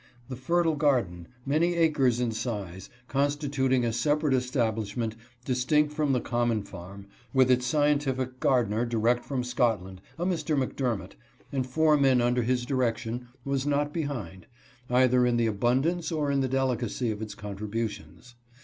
The fertile garden, many acres in size, con stituting a separate establishment distinct from the com mon farm, with its scientific gardener direct from Scot land, a Mr. McDermott, and four men under his direction, was not behind, either in the abundance or in the delicacy of its contributions.